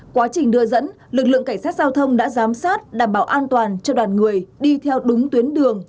quá trình đưa dẫn lực lượng cảnh sát giao thông đã giám sát đảm bảo an toàn cho đoàn người đi theo đúng tuyến đường